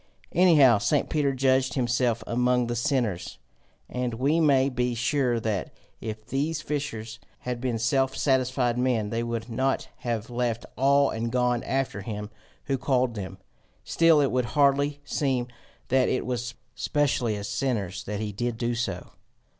Anyhow St. Peter judged himself among the sinners, and we may be sure that if these fishers had been self satisfied men, they would not have left all and gone after him who called them. Still it would hardly seem that it was specially as sinners that he did so.